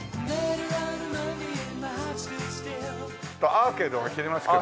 アーケードが切れますけど。